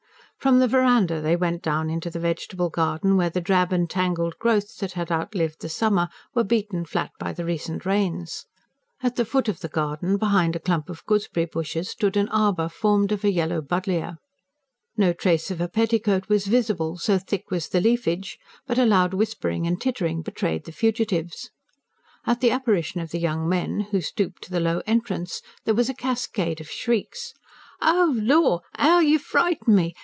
From the verandah they went down into the vegetable garden, where the drab and tangled growths that had outlived the summer were beaten flat by the recent rains. At the foot of the garden, behind a clump of gooseberry bushes, stood an arbour formed of a yellow buddleia. No trace of a petticoat was visible, so thick was the leafage; but a loud whispering and tittering betrayed the fugitives. At the apparition of the young men, who stooped to the low entrance, there was a cascade of shrieks. "Oh, lor, 'OW you frightened me!